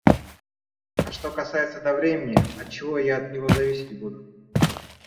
А что касается до времени - отчего я от него зависеть буду?